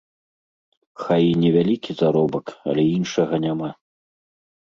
Хай і невялікі заробак, але іншага няма.